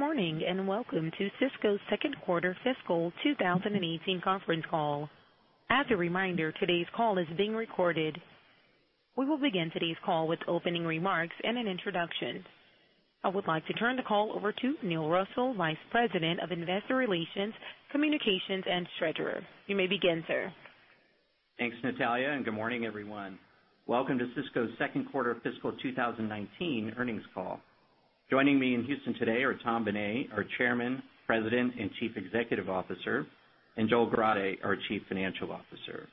Good morning, welcome to Sysco's second quarter fiscal 2018 conference call. As a reminder, today's call is being recorded. We will begin today's call with opening remarks and an introduction. I would like to turn the call over to Neil Russell, vice president of investor relations, communications, and treasurer. You may begin, sir. Thanks, Natalia, good morning, everyone. Welcome to Sysco's second quarter fiscal 2019 earnings call. Joining me in Houston today are Tom Bené, our chairman, president, and chief executive officer, and Joel Grade, our chief financial officer.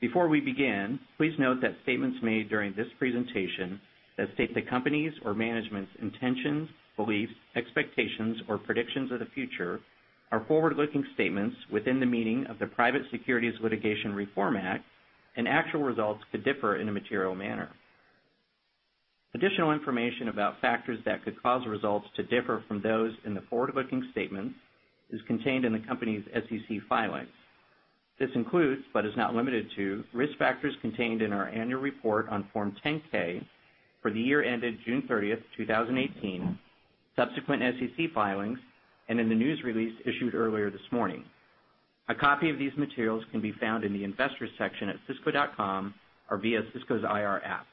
Before we begin, please note that statements made during this presentation that state the company's or management's intentions, beliefs, expectations, or predictions of the future are forward-looking statements within the meaning of the Private Securities Litigation Reform Act, and actual results could differ in a material manner. Additional information about factors that could cause results to differ from those in the forward-looking statements is contained in the company's SEC filings. This includes, but is not limited to, risk factors contained in our annual report on Form 10-K for the year ended June 30th, 2018, subsequent SEC filings, and in the news release issued earlier this morning. A copy of these materials can be found in the investors section at sysco.com or via Sysco's IR app.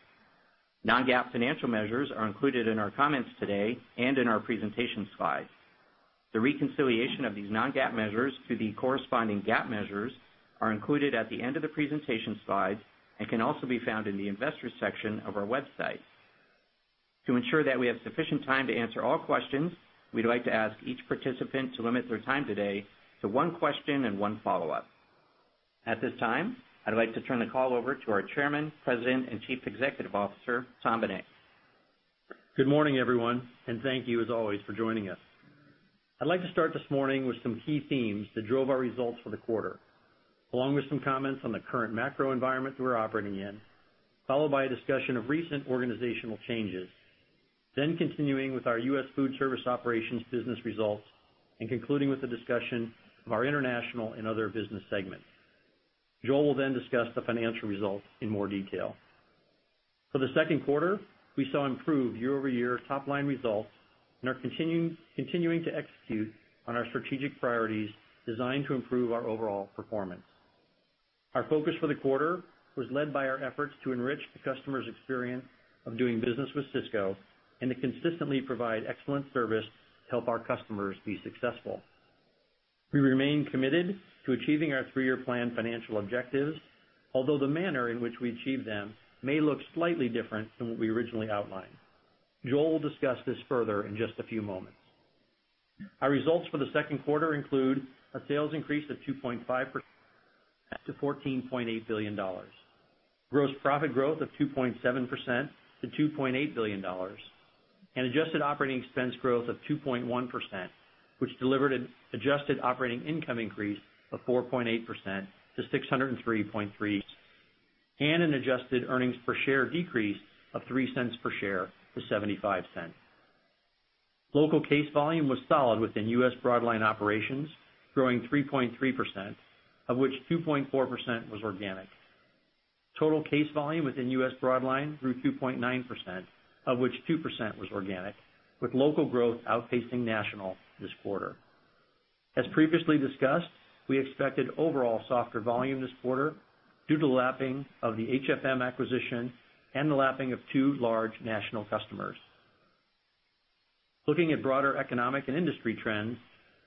Non-GAAP financial measures are included in our comments today and in our presentation slides. The reconciliation of these non-GAAP measures to the corresponding GAAP measures are included at the end of the presentation slides and can also be found in the investors section of our website. To ensure that we have sufficient time to answer all questions, we'd like to ask each participant to limit their time today to one question and one follow-up. At this time, I'd like to turn the call over to our chairman, president, and chief executive officer, Tom Bené. Good morning, everyone, thank you as always for joining us. I'd like to start this morning with some key themes that drove our results for the quarter, along with some comments on the current macro environment that we're operating in, followed by a discussion of recent organizational changes, then continuing with our US Foodservice Operations business results, and concluding with the discussion of our international and other business segments. Joel will discuss the financial results in more detail. For the second quarter, we saw improved year-over-year top-line results and are continuing to execute on our strategic priorities designed to improve our overall performance. Our focus for the quarter was led by our efforts to enrich the customer's experience of doing business with Sysco and to consistently provide excellent service to help our customers be successful. We remain committed to achieving our three-year plan financial objectives, although the manner in which we achieve them may look slightly different than what we originally outlined. Joel will discuss this further in just a few moments. Our results for the second quarter include a sales increase of 2.5% to $14.8 billion, gross profit growth of 2.7% to $2.8 billion, and adjusted operating expense growth of 2.1%, which delivered an adjusted operating income increase of 4.8% to $603.3 million and an adjusted earnings per share decrease of $0.03 per share to $0.75. Local case volume was solid within U.S. broadline operations, growing 3.3%, of which 2.4% was organic. Total case volume within U.S. broadline grew 2.9%, of which 2% was organic, with local growth outpacing national this quarter. As previously discussed, we expected overall softer volume this quarter due to the lapping of the HFM acquisition and the lapping of two large national customers. Looking at broader economic and industry trends,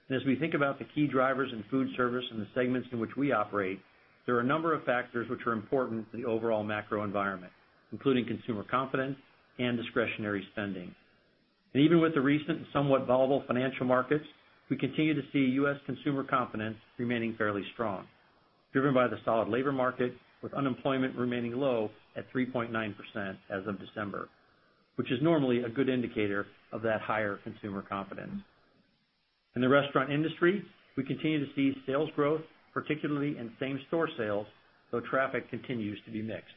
and as we think about the key drivers in Foodservice and the segments in which we operate, there are a number of factors which are important to the overall macro environment, including consumer confidence and discretionary spending. Even with the recent and somewhat volatile financial markets, we continue to see U.S. consumer confidence remaining fairly strong, driven by the solid labor market, with unemployment remaining low at 3.9% as of December, which is normally a good indicator of that higher consumer confidence. In the restaurant industry, we continue to see sales growth, particularly in same-store sales, though traffic continues to be mixed.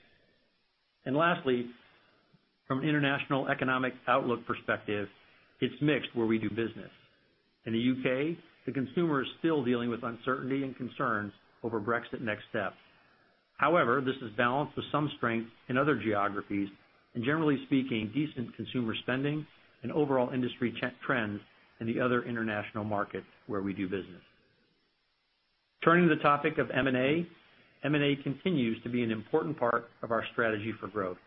Lastly, from an international economic outlook perspective, it's mixed where we do business. In the U.K., the consumer is still dealing with uncertainty and concerns over Brexit next steps. However, this is balanced with some strength in other geographies and, generally speaking, decent consumer spending and overall industry trends in the other international markets where we do business. Turning to the topic of M&A, M&A continues to be an important part of our strategy for growth.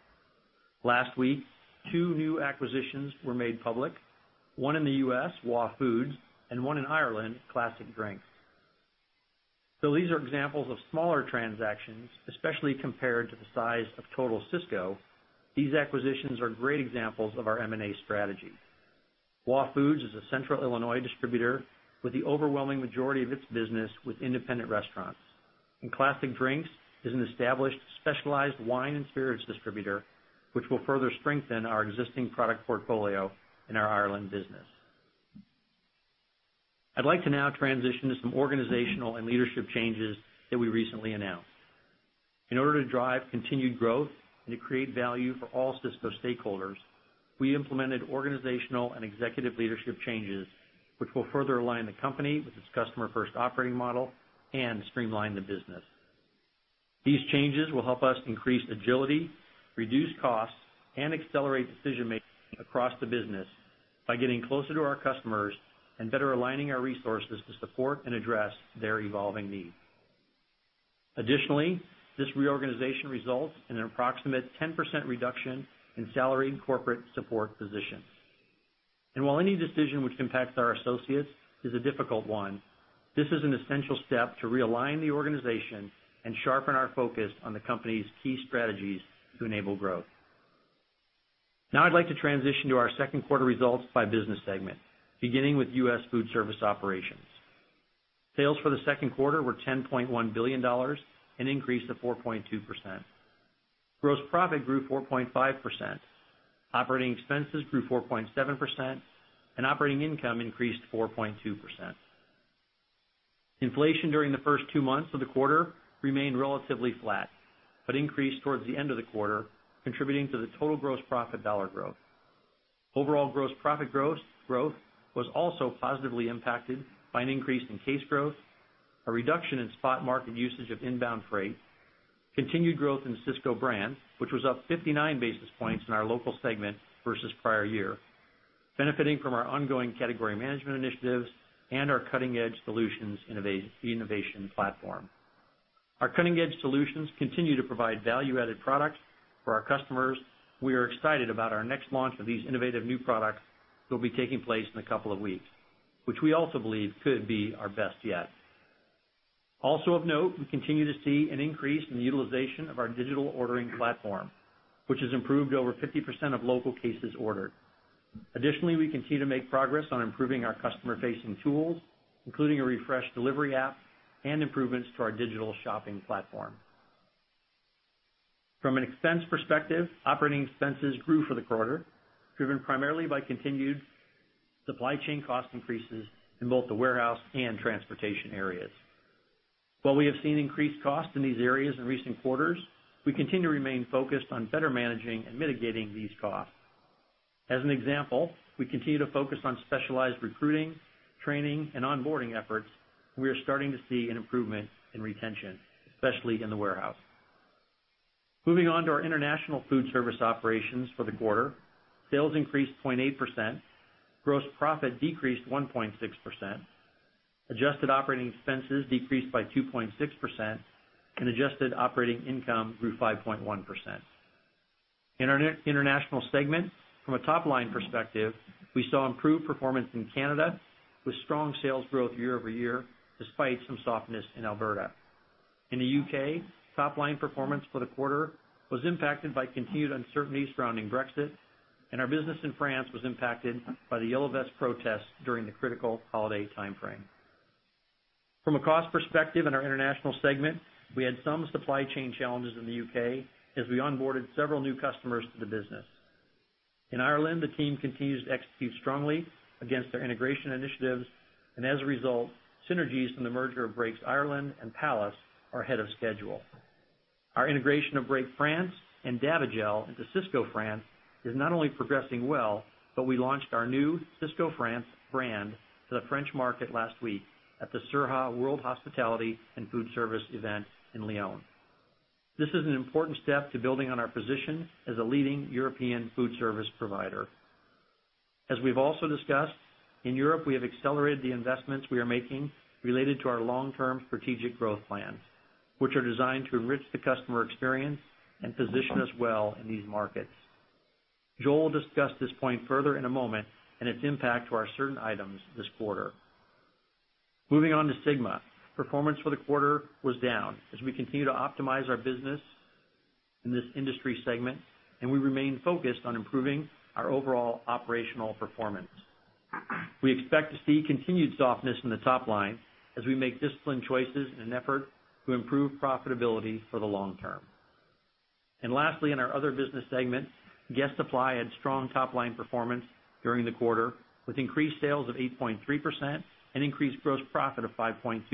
Last week, two new acquisitions were made public, one in the U.S., Waugh Foods, and one in Ireland, Classic Drinks. Though these are examples of smaller transactions, especially compared to the size of total Sysco, these acquisitions are great examples of our M&A strategy. Waugh Foods is a central Illinois distributor with the overwhelming majority of its business with independent restaurants. Classic Drinks is an established specialized wine and spirits distributor, which will further strengthen our existing product portfolio in our Ireland business. I'd like to now transition to some organizational and leadership changes that we recently announced. In order to drive continued growth and to create value for all Sysco stakeholders, we implemented organizational and executive leadership changes, which will further align the company with its customer-first operating model and streamline the business. These changes will help us increase agility, reduce costs, and accelerate decision-making across the business by getting closer to our customers and better aligning our resources to support and address their evolving needs. Additionally, this reorganization results in an approximate 10% reduction in salary and corporate support positions. While any decision which impacts our associates is a difficult one, this is an essential step to realign the organization and sharpen our focus on the company's key strategies to enable growth. I'd like to transition to our second quarter results by business segment, beginning with US Foodservice Operations. Sales for the second quarter were $10.1 billion, an increase of 4.2%. Gross profit grew 4.5%. Operating expenses grew 4.7%, and operating income increased 4.2%. Inflation during the first two months of the quarter remained relatively flat, but increased towards the end of the quarter, contributing to the total gross profit dollar growth. Overall gross profit growth was also positively impacted by an increase in case growth, a reduction in spot market usage of inbound freight, continued growth in Sysco Brand, which was up 59 basis points in our local segment versus prior year, benefiting from our ongoing category management initiatives and our Cutting Edge Solutions innovation platform. Our Cutting Edge Solutions continue to provide value-added products for our customers. We are excited about our next launch of these innovative new products that will be taking place in a couple of weeks, which we also believe could be our best yet. Also of note, we continue to see an increase in the utilization of our digital ordering platform, which has improved over 50% of local cases ordered. Additionally, we continue to make progress on improving our customer-facing tools, including a refreshed delivery app and improvements to our digital shopping platform. From an expense perspective, operating expenses grew for the quarter, driven primarily by continued supply chain cost increases in both the warehouse and transportation areas. While we have seen increased costs in these areas in recent quarters, we continue to remain focused on better managing and mitigating these costs. As an example, we continue to focus on specialized recruiting, training, and onboarding efforts. We are starting to see an improvement in retention, especially in the warehouse. Moving on to our international foodservice operations for the quarter. Sales increased 0.8%, gross profit decreased 1.6%, adjusted operating expenses decreased by 2.6%, and adjusted operating income grew 5.1%. In our international segment, from a top-line perspective, we saw improved performance in Canada with strong sales growth year-over-year, despite some softness in Alberta. In the U.K., top-line performance for the quarter was impacted by continued uncertainty surrounding Brexit, and our business in France was impacted by the Yellow Vest protests during the critical holiday timeframe. From a cost perspective in our international segment, we had some supply chain challenges in the U.K. as we onboarded several new customers to the business. In Ireland, the team continues to execute strongly against their integration initiatives, and as a result, synergies from the merger of Brakes Ireland and Pallas are ahead of schedule. Our integration of Brakes France and Davigel into Sysco France is not only progressing well, but we launched our new Sysco France brand to the French market last week at the Sirha World Hospitality and Foodservice event in Lyon. This is an important step to building on our position as a leading European foodservice provider. As we've also discussed, in Europe, we have accelerated the investments we are making related to our long-term strategic growth plans, which are designed to enrich the customer experience and position us well in these markets. Joel will discuss this point further in a moment and its impact to our certain items this quarter. Moving on to SYGMA. Performance for the quarter was down as we continue to optimize our business in this industry segment, and we remain focused on improving our overall operational performance. We expect to see continued softness in the top line as we make disciplined choices in an effort to improve profitability for the long term. Lastly, in our other business segment, Guest Supply had strong top-line performance during the quarter, with increased sales of 8.3% and increased gross profit of 5.2%.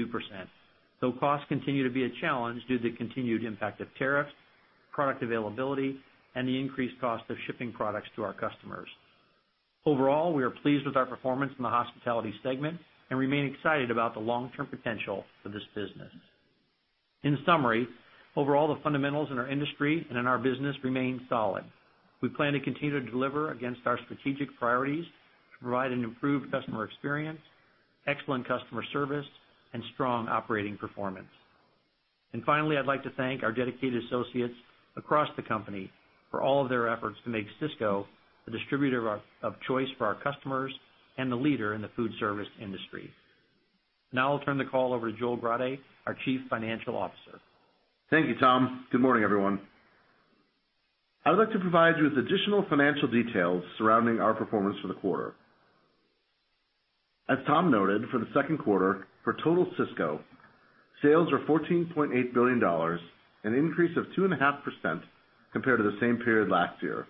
Costs continue to be a challenge due to the continued impact of tariffs, product availability, and the increased cost of shipping products to our customers. Overall, we are pleased with our performance in the hospitality segment and remain excited about the long-term potential for this business. In summary, overall, the fundamentals in our industry and in our business remain solid. We plan to continue to deliver against our strategic priorities to provide an improved customer experience, excellent customer service, and strong operating performance. Finally, I'd like to thank our dedicated associates across the company for all of their efforts to make Sysco the distributor of choice for our customers and the leader in the food service industry. Now I'll turn the call over to Joel Grade, our Chief Financial Officer. Thank you, Tom. Good morning, everyone. I'd like to provide you with additional financial details surrounding our performance for the quarter. As Tom noted, for the second quarter, for total Sysco, sales were $14.8 billion, an increase of 2.5% compared to the same period last year.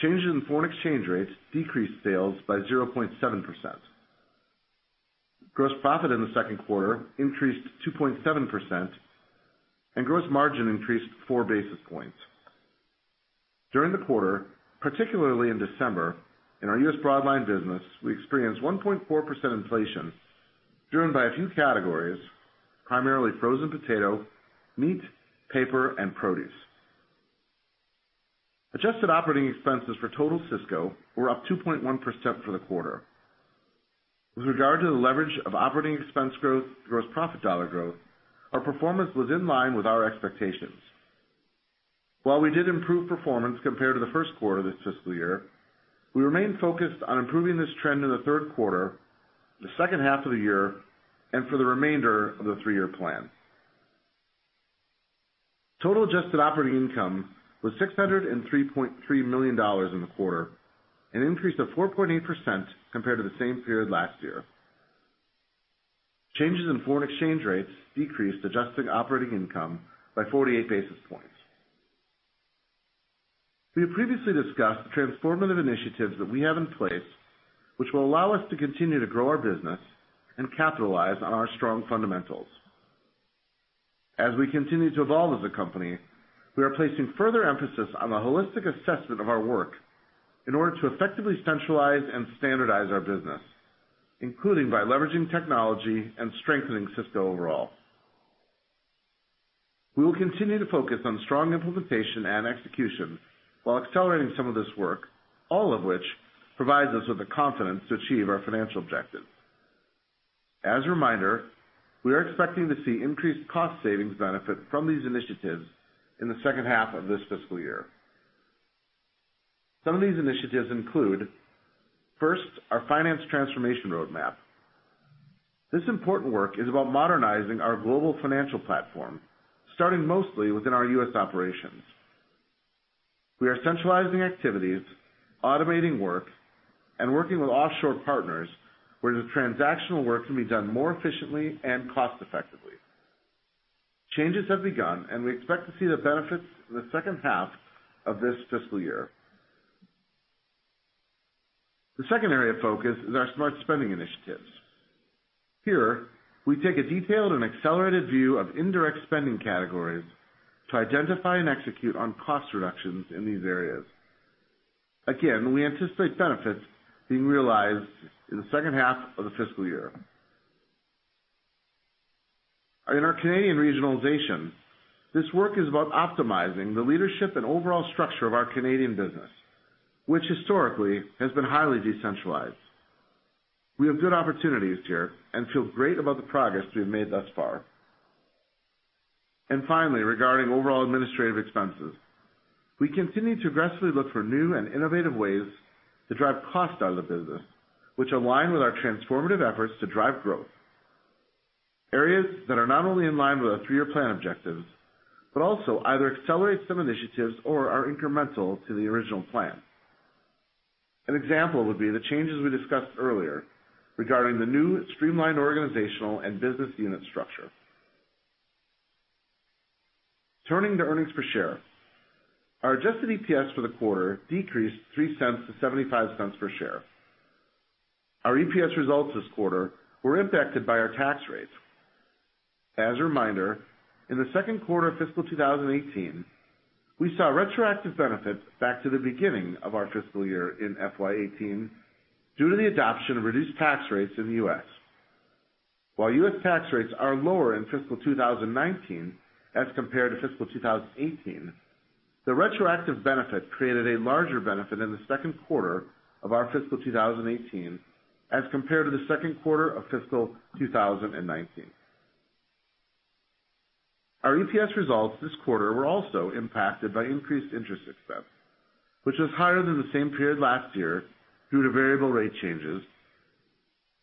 Changes in foreign exchange rates decreased sales by 0.7%. Gross profit in the second quarter increased 2.7%, and gross margin increased four basis points. During the quarter, particularly in December, in our U.S. broadline business, we experienced 1.4% inflation driven by a few categories, primarily frozen potato, meat, paper, and produce. Adjusted operating expenses for total Sysco were up 2.1% for the quarter. With regard to the leverage of operating expense growth, gross profit dollar growth, our performance was in line with our expectations. While we did improve performance compared to the first quarter of this fiscal year, we remain focused on improving this trend in the third quarter, the second half of the year, and for the remainder of the three-year plan. Total adjusted operating income was $603.3 million in the quarter, an increase of 4.8% compared to the same period last year. Changes in foreign exchange rates decreased adjusted operating income by 48 basis points. We have previously discussed the transformative initiatives that we have in place, which will allow us to continue to grow our business and capitalize on our strong fundamentals. As we continue to evolve as a company, we are placing further emphasis on the holistic assessment of our work in order to effectively centralize and standardize our business, including by leveraging technology and strengthening Sysco overall. We will continue to focus on strong implementation and execution while accelerating some of this work, all of which provides us with the confidence to achieve our financial objectives. As a reminder, we are expecting to see increased cost savings benefit from these initiatives in the second half of this fiscal year. Some of these initiatives include, first, our finance transformation roadmap. This important work is about modernizing our global financial platform, starting mostly within our U.S. operations. We are centralizing activities, automating work, and working with offshore partners where the transactional work can be done more efficiently and cost effectively. Changes have begun, and we expect to see the benefits in the second half of this fiscal year. The second area of focus is our smart spending initiatives. Here, we take a detailed and accelerated view of indirect spending categories to identify and execute on cost reductions in these areas. Again, we anticipate benefits being realized in the second half of the fiscal year. In our Canadian regionalization, this work is about optimizing the leadership and overall structure of our Canadian business, which historically has been highly decentralized. We have good opportunities here and feel great about the progress we've made thus far. Finally, regarding overall administrative expenses, we continue to aggressively look for new and innovative ways to drive cost out of the business, which align with our transformative efforts to drive growth. Areas that are not only in line with our three-year plan objectives, but also either accelerate some initiatives or are incremental to the original plan. An example would be the changes we discussed earlier regarding the new streamlined organizational and business unit structure. Turning to earnings per share. Our Adjusted EPS for the quarter decreased $0.03 to $0.75 per share. Our EPS results this quarter were impacted by our tax rates. As a reminder, in the second quarter of fiscal 2018, we saw retroactive benefits back to the beginning of our fiscal year in FY 2018 due to the adoption of reduced tax rates in the U.S. While U.S. tax rates are lower in fiscal 2019 as compared to fiscal 2018, the retroactive benefit created a larger benefit in the second quarter of our fiscal 2018 as compared to the second quarter of fiscal 2019. Our EPS results this quarter were also impacted by increased interest expense, which was higher than the same period last year due to variable rate changes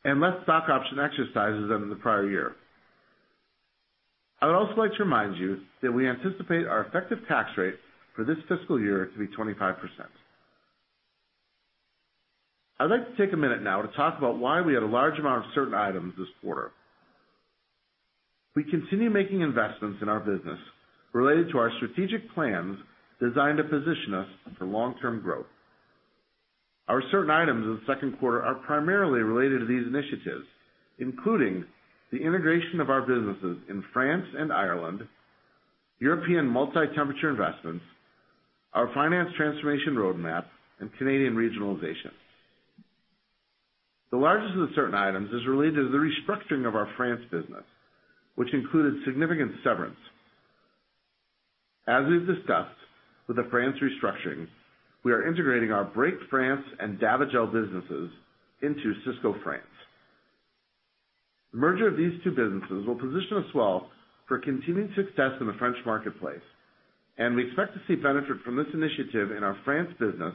and less stock option exercises than in the prior year. I would also like to remind you that we anticipate our effective tax rate for this fiscal year to be 25%. I'd like to take a minute now to talk about why we had a large amount of certain items this quarter. We continue making investments in our business related to our strategic plans designed to position us for long-term growth. Our certain items in the second quarter are primarily related to these initiatives, including the integration of our businesses in France and Ireland, European multi-temperature investments, our finance transformation roadmap, and Canadian regionalization. The largest of the certain items is related to the restructuring of our France business, which included significant severance. As we've discussed with the France restructuring, we are integrating our Brakes France and Davigel businesses into Sysco France. The merger of these two businesses will position us well for continued success in the French marketplace. We expect to see benefit from this initiative in our France business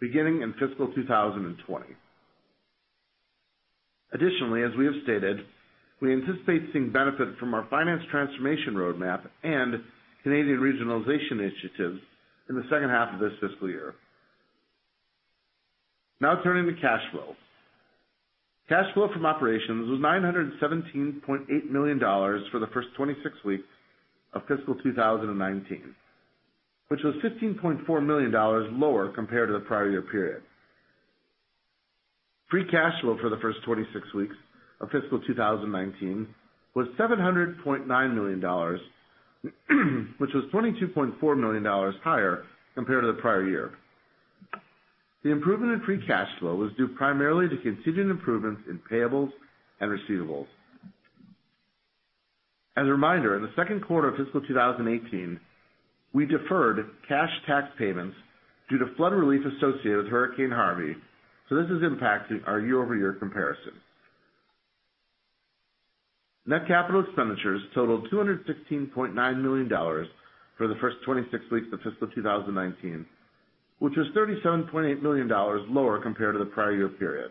beginning in fiscal 2020. Additionally, as we have stated, we anticipate seeing benefit from our finance transformation roadmap and Canadian regionalization initiatives in the second half of this fiscal year. Now turning to cash flow. Cash flow from operations was $917.8 million for the first 26 weeks of fiscal 2019, which was $15.4 million lower compared to the prior year period. Free cash flow for the first 26 weeks of fiscal 2019 was $700.9 million, which was $22.4 million higher compared to the prior year. The improvement in free cash flow was due primarily to continued improvements in payables and receivables. As a reminder, in the second quarter of fiscal 2018, we deferred cash tax payments due to flood relief associated with Hurricane Harvey. This is impacting our year-over-year comparison. Net capital expenditures totaled $216.9 million for the first 26 weeks of fiscal 2019, which was $37.8 million lower compared to the prior year period.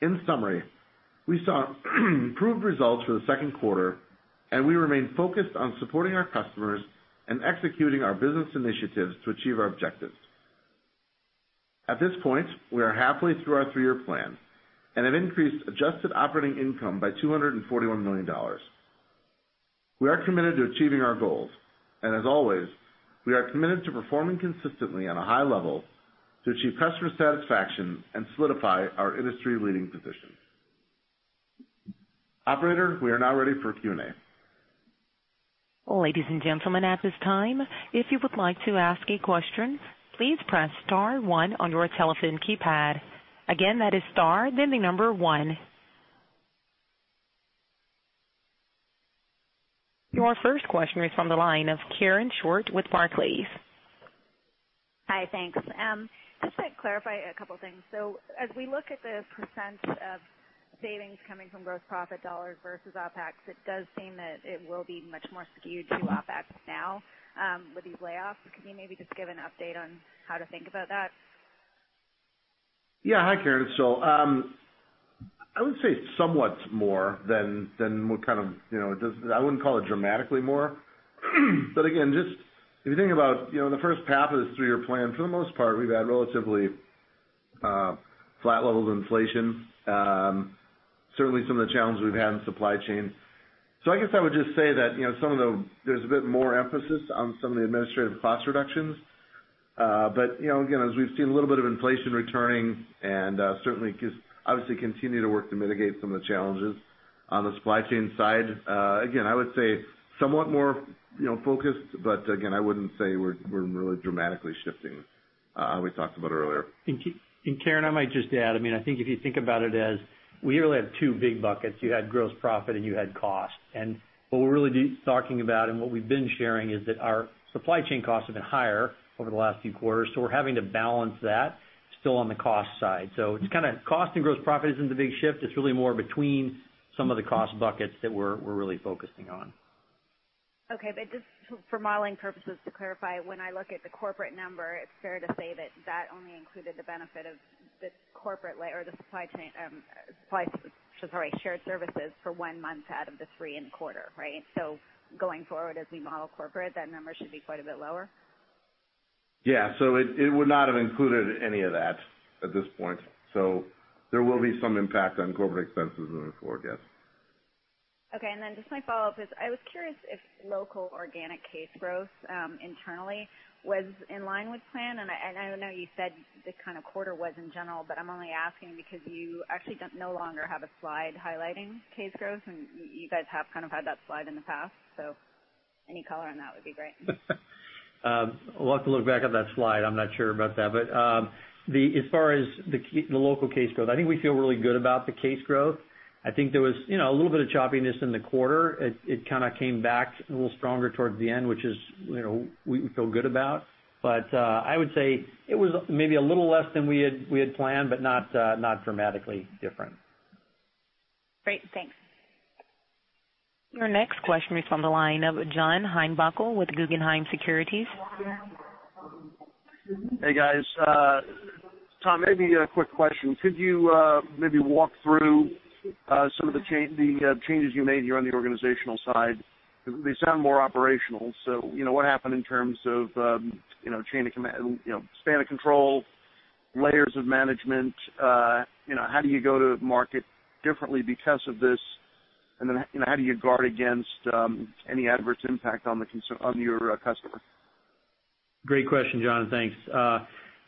In summary, we saw improved results for the second quarter. We remain focused on supporting our customers and executing our business initiatives to achieve our objectives. At this point, we are halfway through our three-year plan and have increased adjusted operating income by $241 million. We are committed to achieving our goals. As always, we are committed to performing consistently at a high level to achieve customer satisfaction and solidify our industry-leading position. Operator, we are now ready for Q&A. Ladies and gentlemen, at this time, if you would like to ask a question, please press star one on your telephone keypad. Again, that is star, then the number one. Your first question is from the line of Karen Short with Barclays. Hi, thanks. Just to clarify a couple things. As we look at the percent of savings coming from gross profit dollars versus OpEx, it does seem that it will be much more skewed to OpEx now with these layoffs. Could you maybe just give an update on how to think about that? Hi, Karen. I would say somewhat more than. I wouldn't call it dramatically more. If you think about the first half of this three-year plan, for the most part, we've had relatively flat levels of inflation. Certainly, some of the challenges we've had in supply chain. I guess I would just say that there's a bit more emphasis on some of the administrative cost reductions. As we've seen a little bit of inflation returning and certainly just obviously continue to work to mitigate some of the challenges on the supply chain side. Again, I would say somewhat more focused, but again, I wouldn't say we're really dramatically shifting how we talked about earlier. Karen, I might just add, I think if you think about it as we really have two big buckets. You had gross profit, and you had cost. What we're really talking about and what we've been sharing is that our supply chain costs have been higher over the last few quarters, so we're having to balance that still on the cost side. It's kind of cost and gross profit isn't the big shift. It's really more between some of the cost buckets that we're really focusing on. Okay. Just for modeling purposes, to clarify, when I look at the corporate number, it's fair to say that that only included the benefit of the corporate layer or shared services for one month out of the three in the quarter, right? Going forward, as we model corporate, that number should be quite a bit lower? Yeah. It would not have included any of that at this point. There will be some impact on corporate expenses moving forward, yes. Okay. Just my follow-up is I was curious if local organic case growth internally was in line with plan. I know you said the kind of quarter was in general, I'm only asking because you actually no longer have a slide highlighting case growth, and you guys have kind of had that slide in the past. Any color on that would be great. We'll have to look back at that slide. I'm not sure about that. As far as the local case growth, I think we feel really good about the case growth. I think there was a little bit of choppiness in the quarter. It kind of came back a little stronger towards the end, which is we feel good about. I would say it was maybe a little less than we had planned, but not dramatically different. Great. Thanks. Your next question is from the line of John Heinbockel with Guggenheim Securities. Hey, guys. Tom, maybe a quick question. Could you maybe walk through some of the changes you made here on the organizational side? They sound more operational. What happened in terms of span of control, layers of management? How do you go to market differently because of this? How do you guard against any adverse impact on your customer? Great question, John. Thanks.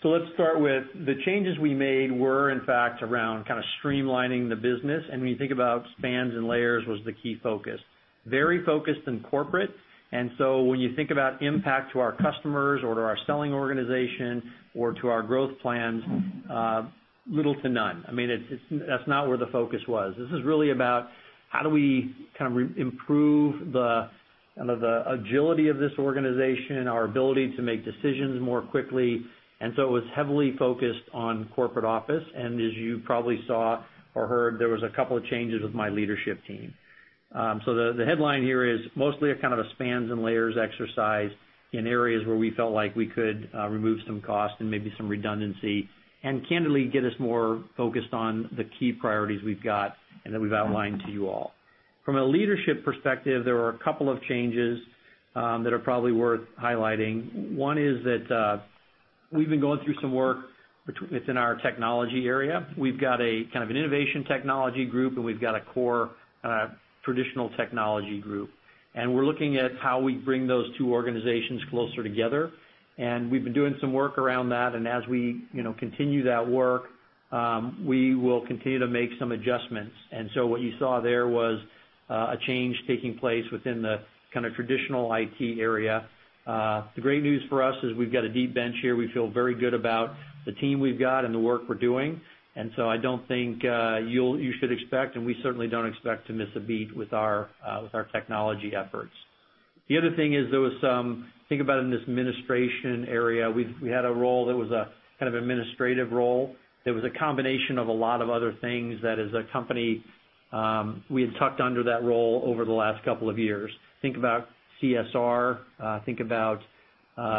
Let's start with the changes we made were in fact around kind of streamlining the business. When you think about spans and layers was the key focus. Very focused in corporate, when you think about impact to our customers or to our selling organization or to our growth plans, little to none. That's not where the focus was. This is really about how do we kind of improve the agility of this organization, our ability to make decisions more quickly. It was heavily focused on corporate office. As you probably saw or heard, there was a couple of changes with my leadership team. The headline here is mostly a kind of a spans and layers exercise in areas where we felt like we could remove some cost and maybe some redundancy and candidly get us more focused on the key priorities we've got and that we've outlined to you all. From a leadership perspective, there are a couple of changes that are probably worth highlighting. One is that we've been going through some work within our technology area. We've got a kind of an innovation technology group, and we've got a core kind of traditional technology group. We're looking at how we bring those two organizations closer together. We've been doing some work around that. As we continue that work, we will continue to make some adjustments. What you saw there was a change taking place within the kind of traditional IT area. The great news for us is we've got a deep bench here. We feel very good about the team we've got and the work we're doing. I don't think you should expect, and we certainly don't expect to miss a beat with our technology efforts. The other thing is there was some, think about in this administration area, we had a role that was a kind of administrative role. It was a combination of a lot of other things that as a company, we had tucked under that role over the last couple of years. Think about CSR, think about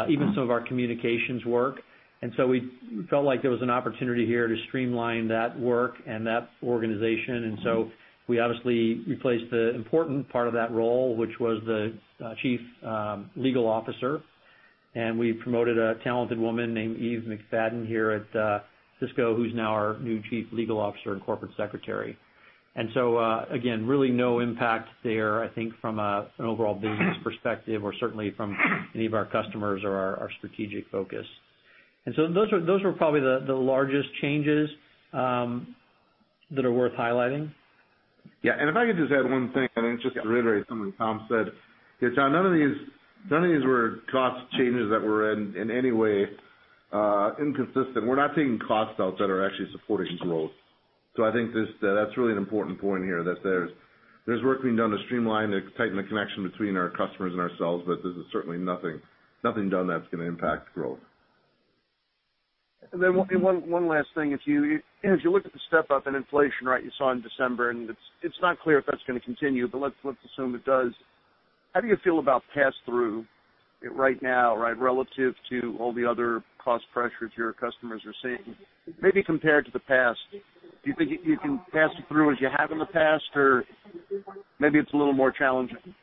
even some of our communications work. We felt like there was an opportunity here to streamline that work and that organization. We obviously replaced the important part of that role, which was the Chief Legal Officer. We promoted a talented woman named Eve McFadden here at Sysco, who's now our new Chief Legal Officer and Corporate Secretary. Again, really no impact there, I think, from an overall business perspective or certainly from any of our customers or our strategic focus. Those were probably the largest changes that are worth highlighting. Yeah. If I could just add one thing, I mean, just to reiterate something Tom said here, John, none of these were cost changes that were in any way inconsistent. We're not taking costs out that are actually supporting growth. I think that's really an important point here, that there's work being done to streamline and tighten the connection between our customers and ourselves, but there's certainly nothing done that's going to impact growth. One last thing. As you look at the step-up in inflation, right, you saw in December, and it's not clear if that's going to continue, but let's assume it does. How do you feel about pass-through right now, right, relative to all the other cost pressures your customers are seeing, maybe compared to the past? Do you think you can pass through as you have in the past, or maybe it's a little more challenging?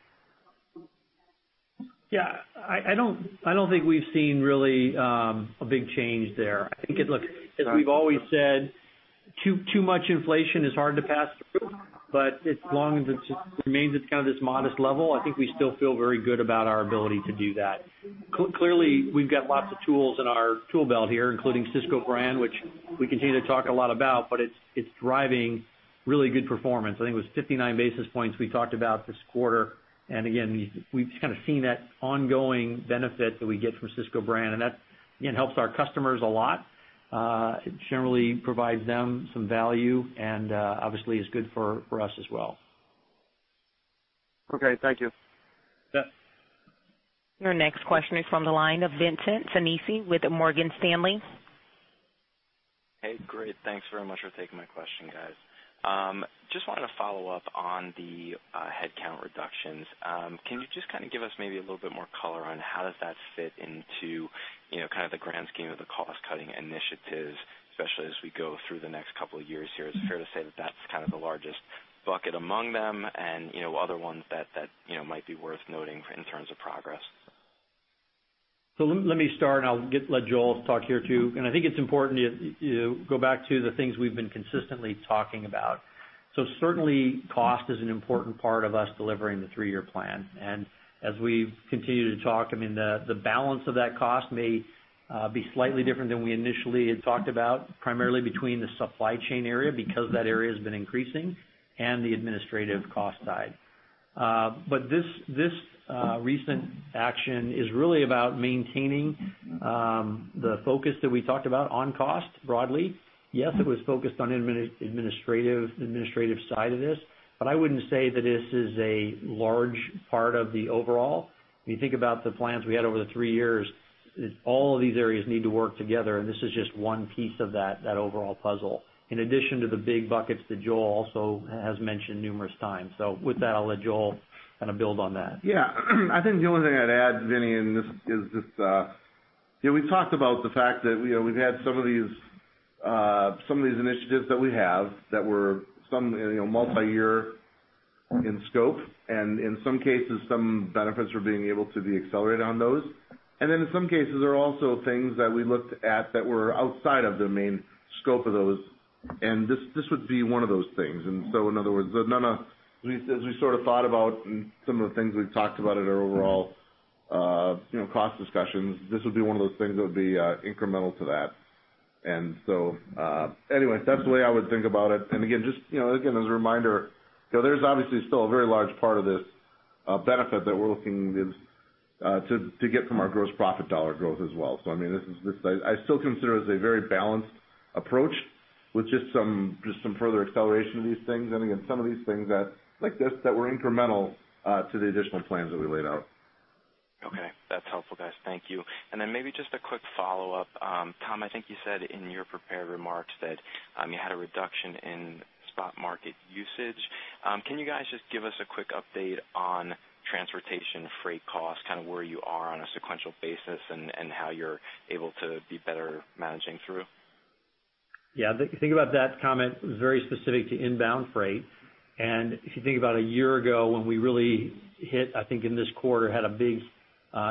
Yeah, I don't think we've seen really a big change there. I think, look, as we've always said, too much inflation is hard to pass through, but as long as it remains at kind of this modest level, I think we still feel very good about our ability to do that. Clearly, we've got lots of tools in our tool belt here, including Sysco Brand, which we continue to talk a lot about, but it's driving really good performance. I think it was 59 basis points we talked about this quarter. Again, we've kind of seen that ongoing benefit that we get from Sysco Brand, and that, again, helps our customers a lot. It generally provides them some value, and obviously, is good for us as well. Okay. Thank you. Yeah. Your next question is from the line of Vincent Sinisi with Morgan Stanley. Hey, great. Thanks very much for taking my question, guys. Just wanted to follow up on the headcount reductions. Can you just kind of give us maybe a little bit more color on how does that fit into kind of the grand scheme of the cost-cutting initiatives, especially as we go through the next couple of years here? Is it fair to say that that's kind of the largest bucket among them and other ones that might be worth noting in terms of progress? Let me start, and I'll let Joel talk here, too. I think it's important you go back to the things we've been consistently talking about. Certainly, cost is an important part of us delivering the three-year plan. As we continue to talk, I mean, the balance of that cost may be slightly different than we initially had talked about, primarily between the supply chain area, because that area has been increasing, and the administrative cost side. This recent action is really about maintaining the focus that we talked about on cost broadly. Yes, it was focused on the administrative side of this, but I wouldn't say that this is a large part of the overall. When you think about the plans we had over the three years, all of these areas need to work together, and this is just one piece of that overall puzzle. In addition to the big buckets that Joel also has mentioned numerous times. With that, I'll let Joel kind of build on that. Yeah. I think the only thing I'd add, Vinnie, this is just, we've talked about the fact that we've had some of these initiatives that we have that were some multi-year in scope, and in some cases, some benefits were being able to be accelerated on those. In some cases, there are also things that we looked at that were outside of the main scope of those, and this would be one of those things. In other words, as we sort of thought about some of the things we've talked about at our overall cost discussions, this would be one of those things that would be incremental to that. Anyway, that's the way I would think about it. Again, just as a reminder, there's obviously still a very large part of this benefit that we're looking to get from our gross profit dollar growth as well. I mean, I still consider this a very balanced approach with just some further acceleration of these things. Again, some of these things like this that were incremental to the additional plans that we laid out. Okay. That's helpful, guys. Thank you. Maybe just a quick follow-up. Tom, I think you said in your prepared remarks that you had a reduction in spot market usage. Can you guys just give us a quick update on transportation freight costs, kind of where you are on a sequential basis and how you're able to be better managing through? Think about that comment very specific to inbound freight. If you think about a year ago when we really hit, I think, in this quarter, had a big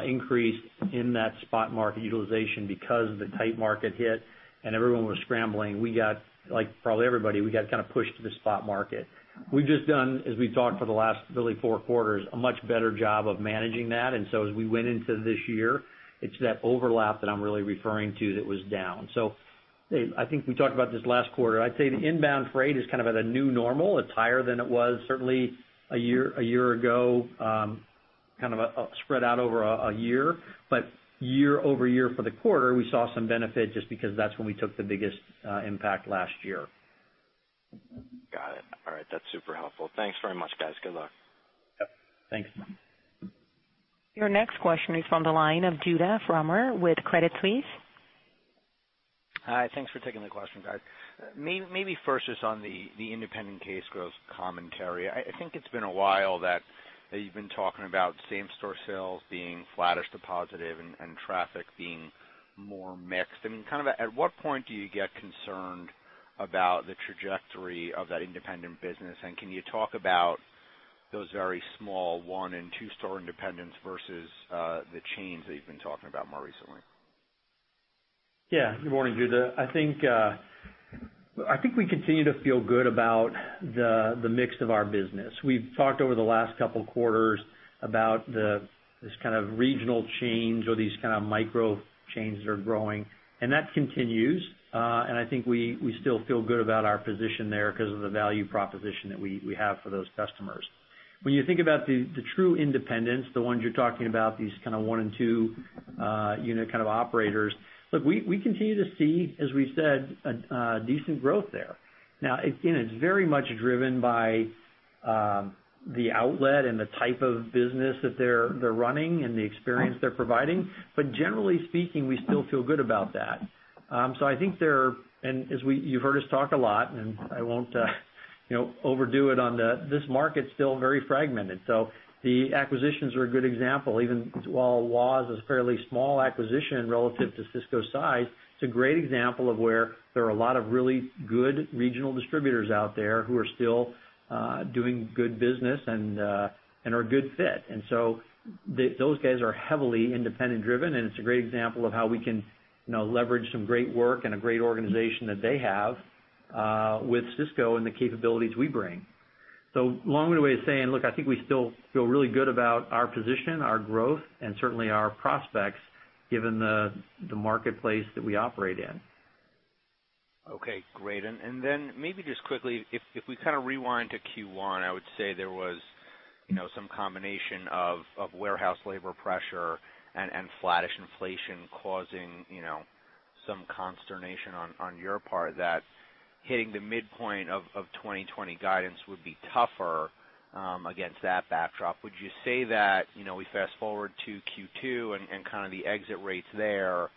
increase in that spot market utilization because the tight market hit and everyone was scrambling. We got, like probably everybody, kind of pushed to the spot market. We've just done, as we've talked for the last really four quarters, a much better job of managing that. As we went into this year, it's that overlap that I'm really referring to that was down. I think we talked about this last quarter. I'd say the inbound freight is kind of at a new normal. It's higher than it was certainly a year ago, kind of spread out over a year. Year-over-year for the quarter, we saw some benefit just because that's when we took the biggest impact last year. Got it. All right. That's super helpful. Thanks very much, guys. Good luck. Yep. Thanks. Your next question is from the line of Judah Frommer with Credit Suisse. Hi. Thanks for taking the question, guys. First just on the independent case growth commentary. I think it's been a while that you've been talking about same-store sales being flattish to positive and traffic being more mixed. At what point do you get concerned about the trajectory of that independent business? Can you talk about those very small one and two store independents versus the chains that you've been talking about more recently? Good morning, Judah. I think we continue to feel good about the mix of our business. We've talked over the last couple of quarters about this kind of regional change or these kind of micro chains that are growing, that continues. I think we still feel good about our position there because of the value proposition that we have for those customers. When you think about the true independents, the ones you're talking about, these kind of one and two unit kind of operators. Look, we continue to see, as we've said, a decent growth there. Again, it's very much driven by the outlet and the type of business that they're running and the experience they're providing. Generally speaking, we still feel good about that. As you've heard us talk a lot, and I won't overdo it on that, this market's still very fragmented. The acquisitions are a good example. Even while Waugh is a fairly small acquisition relative to Sysco's size, it's a great example of where there are a lot of really good regional distributors out there who are still doing good business and are a good fit. Those guys are heavily independent driven, it's a great example of how we can leverage some great work and a great organization that they have with Sysco and the capabilities we bring. Long-winded way of saying, look, I think we still feel really good about our position, our growth, and certainly our prospects given the marketplace that we operate in. Okay, great. Maybe just quickly, if we kind of rewind to Q1, I would say there was some combination of warehouse labor pressure and flattish inflation causing some consternation on your part that hitting the midpoint of 2020 guidance would be tougher against that backdrop. Would you say that, we fast-forward to Q2 and kind of the exit rates there,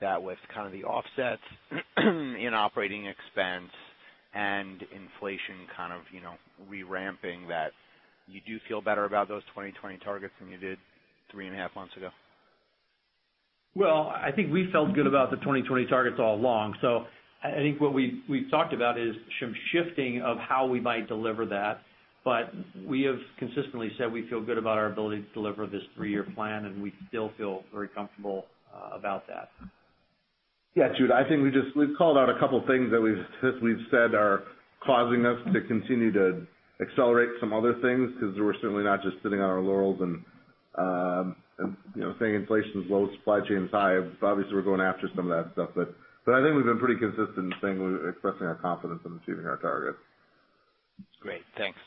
that with kind of the offsets in operating expense and inflation kind of re-ramping, that you do feel better about those 2020 targets than you did three and a half months ago? I think we felt good about the 2020 targets all along. I think what we've talked about is some shifting of how we might deliver that. We have consistently said we feel good about our ability to deliver this three-year plan, and we still feel very comfortable about that. Yeah, Judah, I think we've called out a couple of things that we've said are causing us to continue to accelerate some other things because we're certainly not just sitting on our laurels and saying inflation's low, supply chain's high. Obviously, we're going after some of that stuff. I think we've been pretty consistent in expressing our confidence in achieving our targets. Great. Thanks.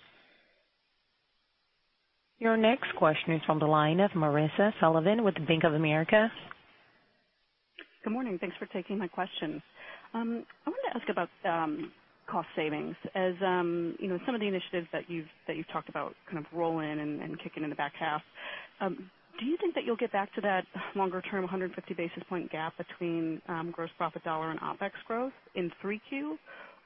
Your next question is from the line of Marisa Sullivan with Bank of America. Good morning. Thanks for taking my questions. I wanted to ask about cost savings. As some of the initiatives that you've talked about kind of roll in and kick in the back half, do you think that you'll get back to that longer-term 150 basis point gap between gross profit dollar and OpEx growth in 3Q,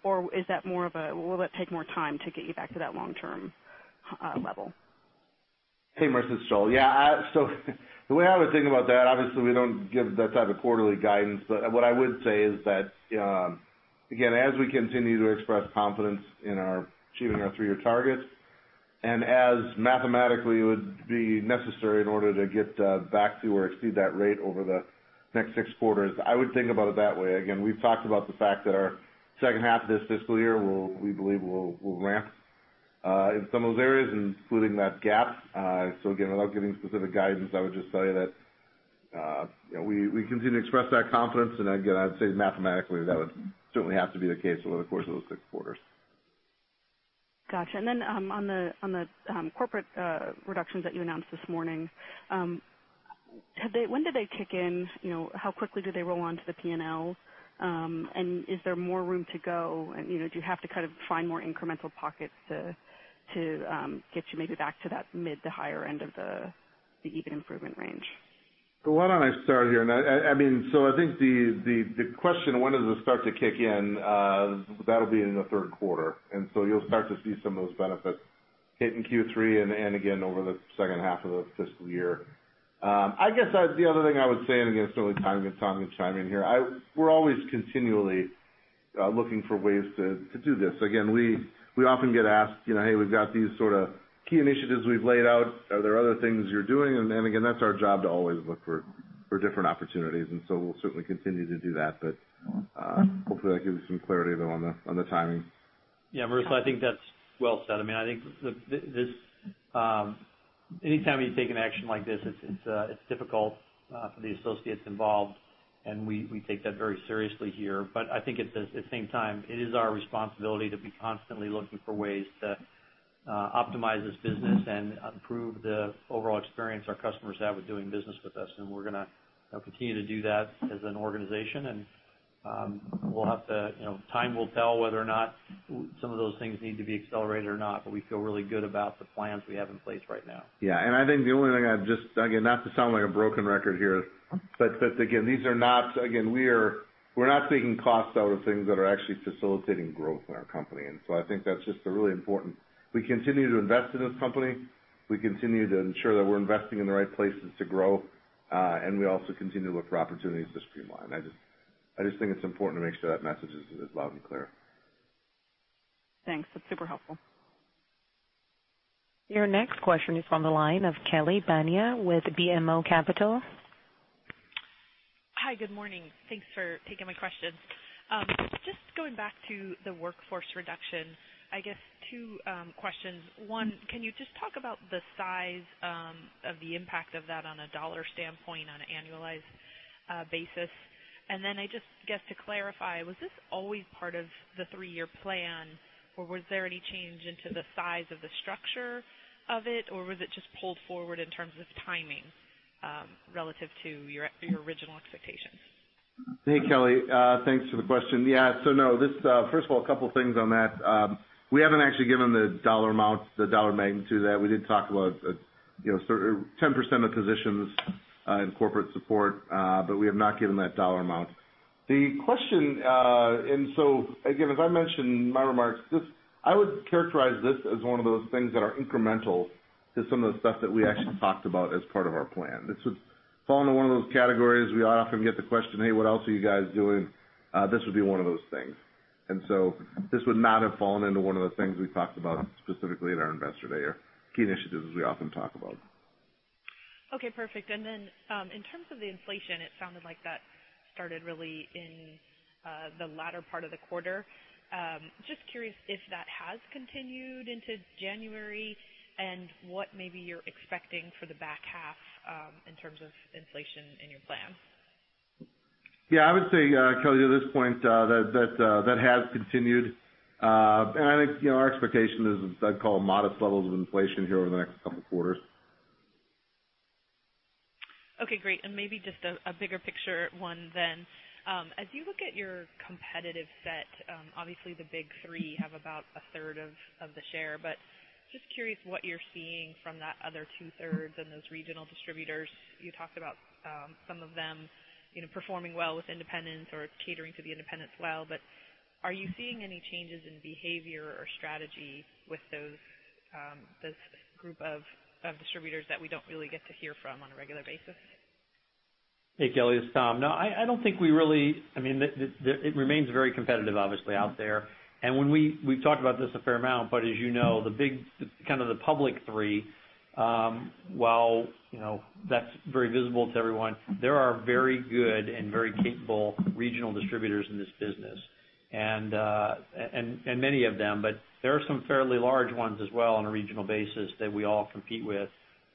or will that take more time to get you back to that long-term level? Hey, Marisa. It's Joel. Yeah, the way I would think about that, obviously, we don't give that type of quarterly guidance. What I would say is that, again, as we continue to express confidence in achieving our three-year targets and as mathematically it would be necessary in order to get back to or exceed that rate over the next six quarters. I would think about it that way. Again, we've talked about the fact that our second half of this fiscal year, we believe will ramp in some of those areas, including that gap. Again, without giving specific guidance, I would just tell you that we continue to express that confidence. Again, I'd say mathematically, that would certainly have to be the case over the course of those six quarters. Got you. Then on the corporate reductions that you announced this morning, when do they kick in? How quickly do they roll onto the P&L? Is there more room to go? Do you have to kind of find more incremental pockets to get you maybe back to that mid to higher end of the EBIT improvement range? I think the question, when does this start to kick in? That'll be in the third quarter. You'll start to see some of those benefits hit in Q3 and again over the second half of the fiscal year. I guess the other thing I would say, certainly, Tom can chime in here. We're always continually looking for ways to do this. We often get asked, hey, we've got these sort of key initiatives we've laid out. Are there other things you're doing? That's our job to always look for different opportunities, we'll certainly continue to do that. Hopefully that gives you some clarity, though, on the timing. Marisa, I think that's well said. I think anytime you take an action like this, it's difficult for the associates involved, and we take that very seriously here. I think at the same time, it is our responsibility to be constantly looking for ways to optimize this business and improve the overall experience our customers have with doing business with us. We're going to continue to do that as an organization. Time will tell whether or not some of those things need to be accelerated or not, we feel really good about the plans we have in place right now. I think the only thing, not to sound like a broken record here, we're not taking costs out of things that are actually facilitating growth in our company. I think that's just really important. We continue to invest in this company. We continue to ensure that we're investing in the right places to grow. We also continue to look for opportunities to streamline. I just think it's important to make sure that message is loud and clear. Thanks. That's super helpful. Your next question is from the line of Kelly Bania with BMO Capital. Hi, good morning. Thanks for taking my questions. Just going back to the workforce reduction, I guess two questions. One, can you just talk about the size of the impact of that on a dollar standpoint on an annualized basis? I just guess to clarify, was this always part of the three-year plan, or was there any change into the size of the structure of it, or was it just pulled forward in terms of timing, relative to your original expectations? Hey, Kelly. Thanks for the question. Yeah. First of all, a couple things on that. We haven't actually given the dollar amount, the dollar magnitude of that. We did talk about 10% of positions in corporate support, we have not given that dollar amount. Again, as I mentioned in my remarks, I would characterize this as one of those things that are incremental to some of the stuff that we actually talked about as part of our plan. This would fall into one of those categories. We often get the question, hey, what else are you guys doing? This would be one of those things. This would not have fallen into one of the things we talked about specifically at our Investor Day or key initiatives, as we often talk about. Okay, perfect. In terms of the inflation, it sounded like that started really in the latter part of the quarter. Just curious if that has continued into January and what maybe you're expecting for the back half in terms of inflation in your plan. Yeah, I would say, Kelly, at this point, that has continued. I think our expectation is, as I'd call, modest levels of inflation here over the next couple of quarters. Okay, great. Maybe just a bigger picture one then. As you look at your competitive set, obviously the big three have about a third of the share, just curious what you're seeing from that other two-thirds and those regional distributors. You talked about some of them performing well with independents or catering to the independents well, are you seeing any changes in behavior or strategy with this group of distributors that we don't really get to hear from on a regular basis? Hey, Kelly, it's Tom. No, it remains very competitive, obviously out there. We've talked about this a fair amount, as you know, the big kind of the public three, while that's very visible to everyone, there are very good and very capable regional distributors in this business, and many of them, there are some fairly large ones as well on a regional basis that we all compete with.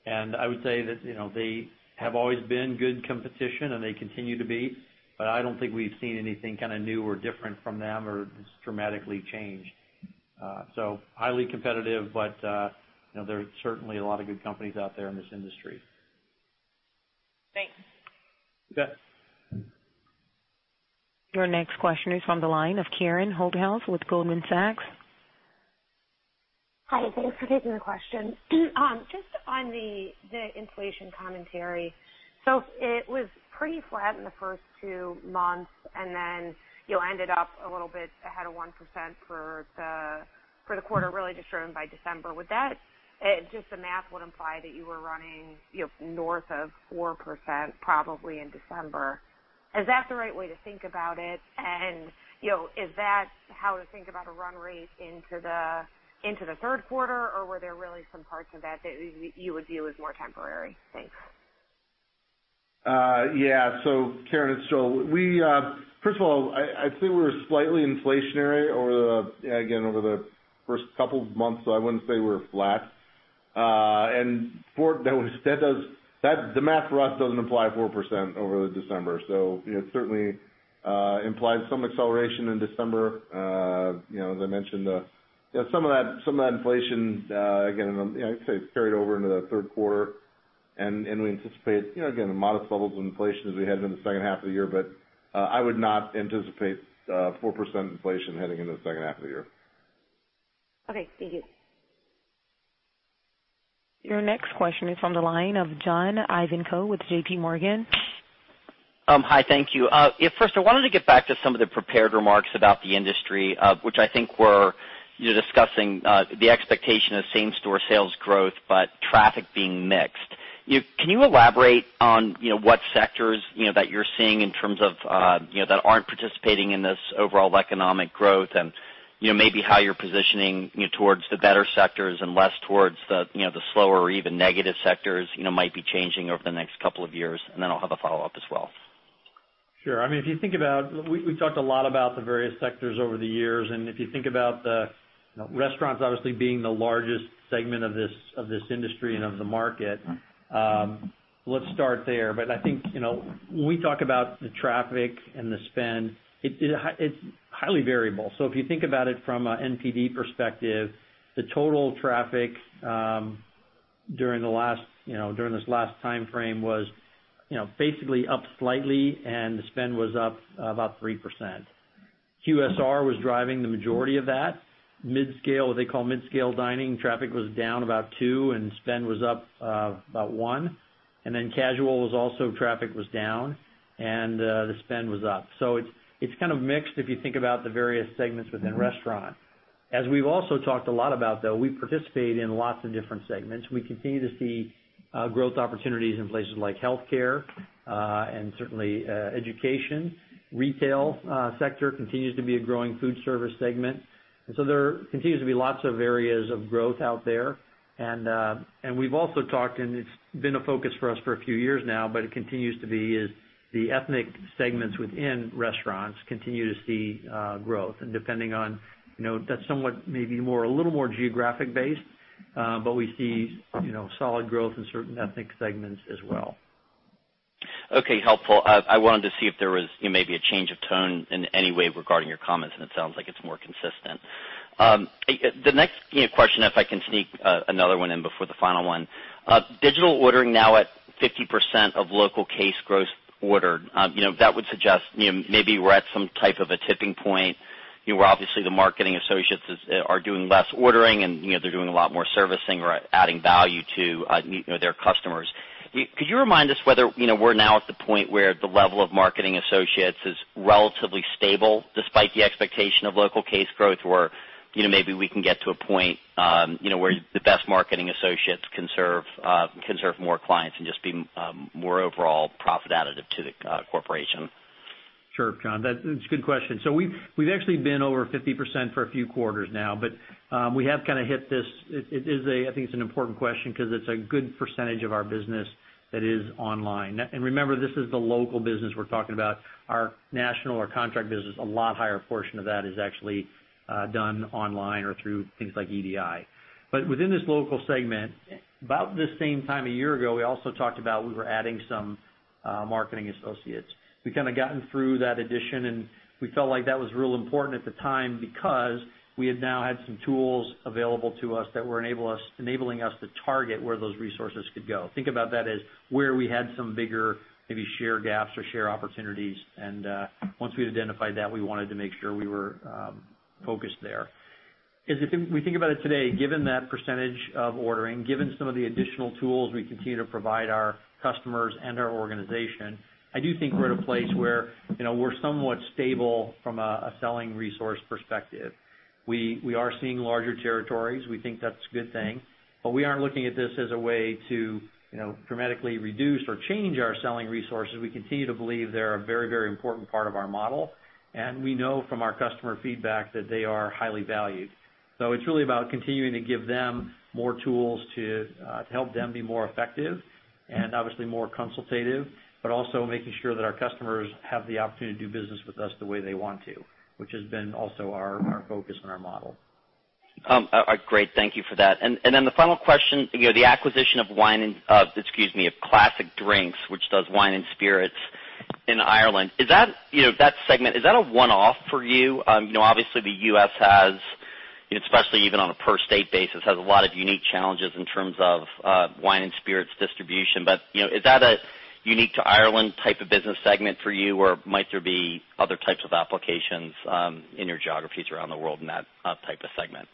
I would say that they have always been good competition, and they continue to be, I don't think we've seen anything kind of new or different from them or dramatically changed. Highly competitive, there's certainly a lot of good companies out there in this industry. Thanks. You bet. Your next question is from the line of Karen Holthouse with Goldman Sachs. Hi, thanks for taking the question. Just on the inflation commentary. It was pretty flat in the first two months, then you ended up a little bit ahead of 1% for the quarter, really just driven by December. With that, just the math would imply that you were running north of 4%, probably in December. Is that the right way to think about it? Is that how to think about a run rate into the third quarter, or were there really some parts of that that you would view as more temporary? Thanks. Yeah. Karen, first of all, I'd say we're slightly inflationary, again, over the first couple of months, I wouldn't say we're flat. The math for us doesn't imply 4% over December. It certainly implies some acceleration in December. As I mentioned, some of that inflation, again, I'd say it's carried over into the third quarter and we anticipate, again, modest levels of inflation as we head into the second half of the year, but I would not anticipate 4% inflation heading into the second half of the year. Okay. Thank you. Your next question is on the line of John Ivankoe with JPMorgan. Hi, thank you. First, I wanted to get back to some of the prepared remarks about the industry, which I think were you discussing the expectation of same-store sales growth, but traffic being mixed. Can you elaborate on what sectors that you're seeing in terms of that aren't participating in this overall economic growth and maybe how you're positioning towards the better sectors and less towards the slower or even negative sectors might be changing over the next couple of years? I'll have a follow-up as well. Sure. We've talked a lot about the various sectors over the years. If you think about the restaurants obviously being the largest segment of this industry and of the market, let's start there. I think, when we talk about the traffic and the spend, it's highly variable. If you think about it from a NPD perspective, the total traffic during this last timeframe was basically up slightly, and the spend was up about 3%. QSR was driving the majority of that. What they call mid-scale dining, traffic was down about two, and spend was up about one, and casual was also traffic was down, and the spend was up. It's kind of mixed if you think about the various segments within restaurant. As we've also talked a lot about, though, we participate in lots of different segments. We continue to see growth opportunities in places like healthcare, and certainly, education. Retail sector continues to be a growing food service segment. There continues to be lots of areas of growth out there. We've also talked, and it's been a focus for us for a few years now, but it continues to be, is the ethnic segments within restaurants continue to see growth. Depending on, that's somewhat maybe a little more geographic based, but we see solid growth in certain ethnic segments as well. Okay, helpful. I wanted to see if there was maybe a change of tone in any way regarding your comments, and it sounds like it's more consistent. The next question, if I can sneak another one in before the final one. Digital ordering now at 50% of local case growth ordered. That would suggest, maybe we're at some type of a tipping point, where obviously the marketing associates are doing less ordering and they're doing a lot more servicing or adding value to their customers. Could you remind us whether we're now at the point where the level of marketing associates is relatively stable despite the expectation of local case growth? Maybe we can get to a point where the best marketing associates can serve more clients and just be more overall profit additive to the corporation. Sure, John. That's a good question. We've actually been over 50% for a few quarters now, but I think it's an important question because it's a good percentage of our business that is online. Remember, this is the local business we're talking about. Our national or contract business, a lot higher portion of that is actually done online or through things like EDI. Within this local segment, about this same time a year ago, we also talked about we were adding some marketing associates. We've gotten through that addition, and we felt like that was real important at the time because we had now had some tools available to us that were enabling us to target where those resources could go. Think about that as where we had some bigger, maybe share gaps or share opportunities. Once we'd identified that, we wanted to make sure we were focused there. As we think about it today, given that percentage of ordering, given some of the additional tools we continue to provide our customers and our organization, I do think we're at a place where we're somewhat stable from a selling resource perspective. We are seeing larger territories. We think that's a good thing, but we aren't looking at this as a way to dramatically reduce or change our selling resources. We continue to believe they're a very important part of our model, and we know from our customer feedback that they are highly valued. It's really about continuing to give them more tools to help them be more effective and obviously more consultative, but also making sure that our customers have the opportunity to do business with us the way they want to, which has been also our focus and our model. Great. Thank you for that. The final question, the acquisition of Classic Drinks, which does wine and spirits in Ireland. That segment, is that a one-off for you? Obviously, the U.S. has, especially even on a per state basis, has a lot of unique challenges in terms of wine and spirits distribution. Is that a unique to Ireland type of business segment for you, or might there be other types of applications in your geographies around the world in that type of segment?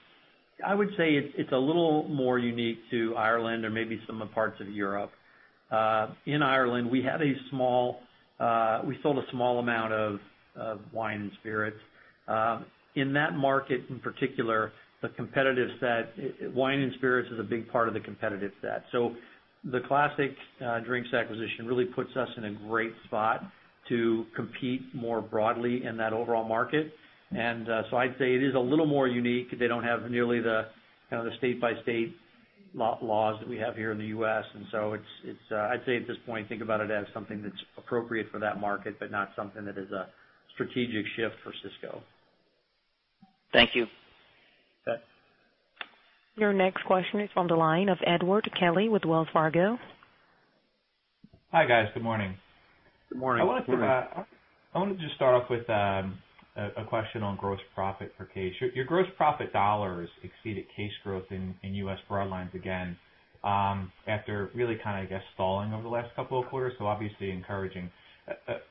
I would say it's a little more unique to Ireland or maybe some parts of Europe. In Ireland, we sold a small amount of wine and spirits. In that market in particular, wine and spirits is a big part of the competitive set. The Classic Drinks acquisition really puts us in a great spot to compete more broadly in that overall market. I'd say it is a little more unique. They don't have nearly the state-by-state laws that we have here in the U.S., and so I'd say at this point, think about it as something that's appropriate for that market, but not something that is a strategic shift for Sysco. Thank you. You bet. Your next question is from the line of Edward Kelly with Wells Fargo. Hi, guys. Good morning. Good morning. I wanted to just start off with a question on gross profit for case. Your gross profit dollars exceeded case growth in U.S. broadlines again, after really stalling over the last couple of quarters, so obviously encouraging.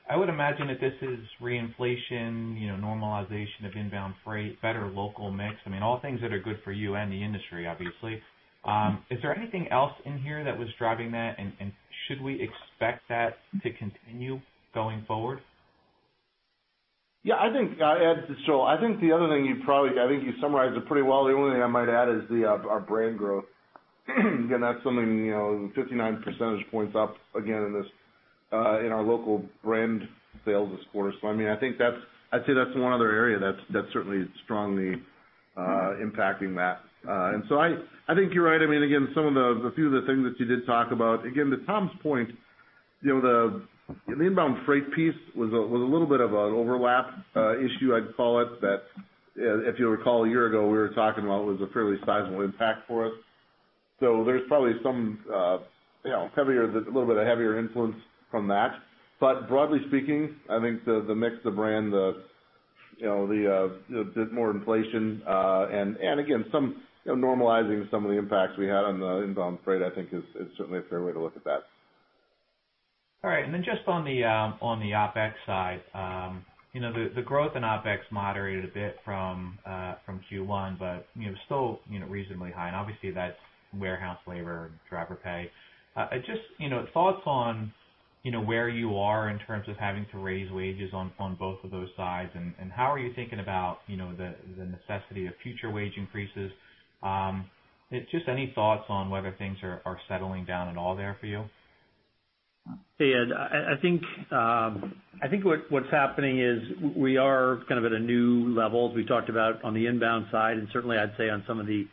I would imagine that this is reinflation, normalization of inbound freight, better local mix. All things that are good for you and the industry, obviously. Is there anything else in here that was driving that, and should we expect that to continue going forward? Yeah. Ed, this is Joel. I think you summarized it pretty well. The only thing I might add is our brand growth. Again, that's something, 59 percentage points up again in our local brand sales this quarter. I'd say that's one other area that's certainly strongly impacting that. I think you're right. Again, a few of the things that you did talk about. Again, to Tom's point, the inbound freight piece was a little bit of an overlap issue, I'd call it, that if you recall, a year ago, we were talking about was a fairly sizable impact for us. There's probably a little bit of heavier influence from that. Broadly speaking, I think the mix of brand, a bit more inflation, and again, normalizing some of the impacts we had on the inbound freight, I think is certainly a fair way to look at that. All right, just on the OpEx side. The growth in OpEx moderated a bit from Q1, but still reasonably high. Obviously, that's warehouse labor, driver pay. Just thoughts on where you are in terms of having to raise wages on both of those sides, and how are you thinking about the necessity of future wage increases? Just any thoughts on whether things are settling down at all there for you? Hey, Ed, I think what's happening is we are at a new level, as we talked about on the inbound side, and certainly, I'd say on some of the